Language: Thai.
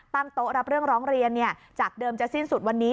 โต๊ะรับเรื่องร้องเรียนจากเดิมจะสิ้นสุดวันนี้